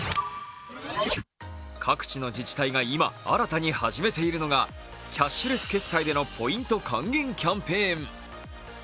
各地の自治体が今、新たに始めているのがキャッシュレス決済でのポイント還元キャンペーン。